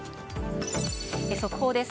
速報です。